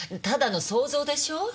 ただの想像でしょ。